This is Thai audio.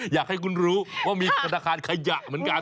อยากให้คุณรู้ว่ามีธนาคารขยะเหมือนกัน